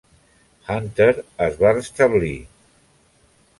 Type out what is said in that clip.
Hunter es va establir.